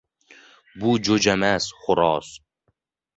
— Bu jo‘jamas, xo‘roz!